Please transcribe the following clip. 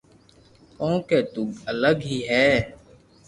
ڪونڪھ تو الگ ھي ھي